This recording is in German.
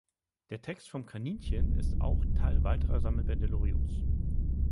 Der Text von "Kaninchen" ist auch Teil weiterer Sammelbände Loriots.